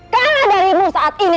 karena darimu saat ini